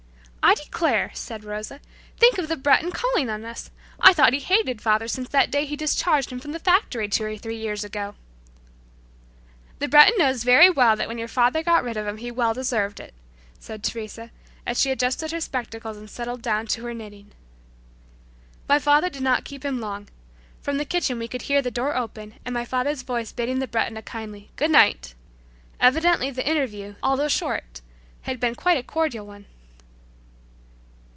"I declare!" said Rosa. "Think of the Breton calling on us! I thought he hated father since that day he discharged him from the factory two or three years ago." "The Breton knows very well that when your father got rid of him he well deserved it," said Teresa, as she adjusted her spectacles and settled down to her knitting. My father did not keep him long. From the kitchen we could hear the door open and my father's voice bidding the Breton a kindly "good night" Evidently the interview, although short, had been quite a cordial one.